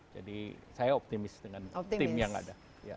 jadi saya optimis dengan tim yang ada